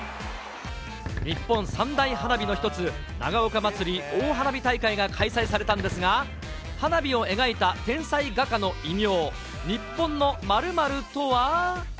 日本三大花火の一つ、長岡まつり大花火大会が開催されたんですが、花火を描いた天才画家の異名、日本の〇〇とは？